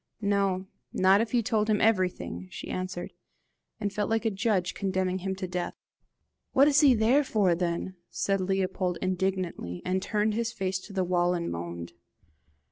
"No, not if you told him everything," she answered, and felt like a judge condemning him to death. "What is he there for then?" said Leopold indignantly, and turned his face to the wall and moaned.